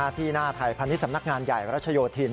ที่หน้าไทยพาณิชสำนักงานใหญ่รัชโยธิน